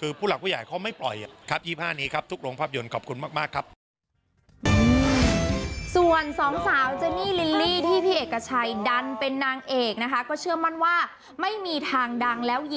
คือผู้หลักว่าใหญ่เขาไม่ปล่อย